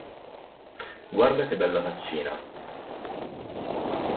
Guarda che bella faccina!